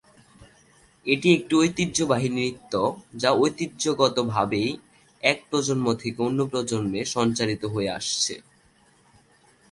এটি একটি ঐতিহ্যবাহী নৃত্য যা ঐতিহ্যগতভাবে এক প্রজন্ম থেকে অন্য প্রজন্মে সঞ্চারিত হয়ে আসছে।